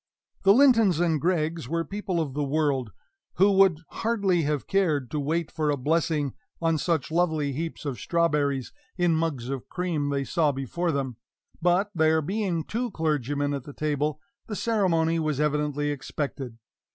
The Lintons and Greggs were people of the world, who would hardly have cared to wait for a blessing on such lovely heaps of strawberries, in mugs of cream they saw before them; but, there being two clergymen at the table, the ceremony was evidently expected.